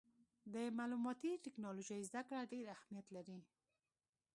د معلوماتي ټکنالوجۍ زدهکړه ډېر اهمیت لري.